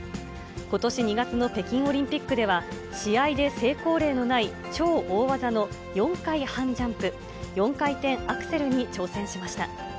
ことし２月の北京オリンピックでは、試合で成功例のない超大技の４回半ジャンプ、４回転アクセルに挑戦しました。